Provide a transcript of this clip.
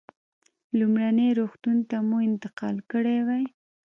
لومړني روغتون ته به مو انتقال کړی وای.